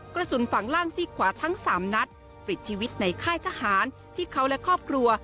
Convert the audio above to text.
กระสุนฝั่งล่างซี่ขวาทั้ง๓นัดปลิดชีวิตในค่ายทหารที่เขาและครอบครัว